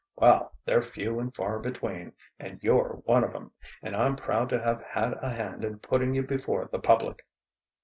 Well, they're few and far between, and you're one of 'em, and I'm proud to have had a hand in putting you before the public!"